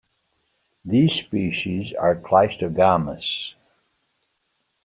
These species are cleistogamous.